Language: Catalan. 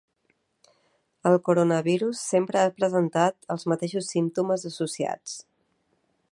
El coronavirus sempre ha presentat els mateixos símptomes associats